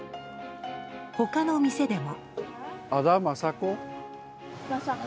他の店でも。